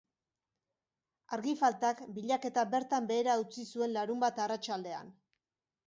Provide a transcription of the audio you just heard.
Argi faltak bilaketa bertan behera utzi zuen larunbat arratsaldean.